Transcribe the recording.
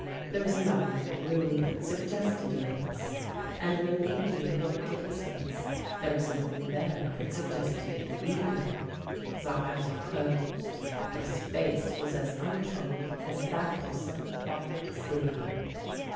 There was nothing in the room that suggested illness, and when Nadine looked at his face there was nothing there that suggested it either. His eyes were closed, but his face was as untroubled as that of some quiet sleeper.